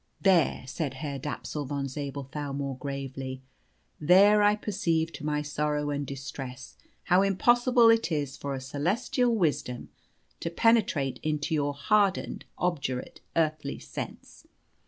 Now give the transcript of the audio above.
"There," said Herr Dapsul von Zabelthau more gravely, "there I perceive, to my sorrow and distress, how impossible it is for celestial wisdom to penetrate into your hardened, obdurate, earthly sense.